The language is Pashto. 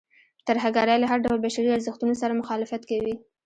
ترهګرۍ له هر ډول بشري ارزښتونو سره مخالفت کوي.